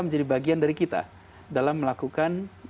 menjadi bagian dari kita dalam melakukan